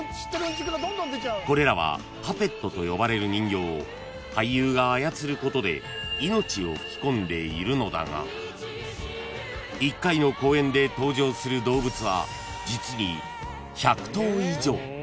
［これらはパペットと呼ばれる人形を俳優が操ることで命を吹き込んでいるのだが一回の公演で登場する動物は実に１００頭以上］